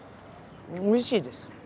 おいしいです。